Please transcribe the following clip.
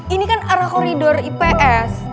ini kan arah koridor ips